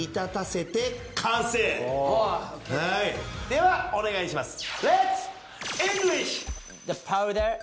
ではお願いします。